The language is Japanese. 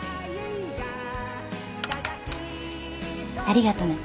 ありがとね。